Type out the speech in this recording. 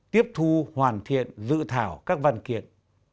tiếp thu hoàn thiện dự thảo các văn kiện